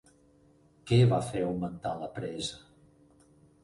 Què va fer augmentar la presa?